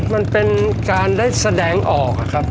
มันเป็นการได้แสดงมาออก